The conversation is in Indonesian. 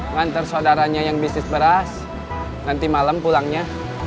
ngantar saudaranya yang bisnis beras nanti malam pulangnya